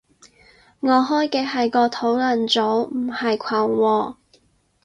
我開嘅係個討論組，唔係群喎